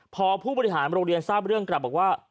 พอผู้บริหารโรงเรียนทราบเรื่องกลับบอกว่า